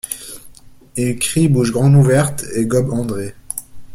Il crie bouche grande ouverte, et gobe André.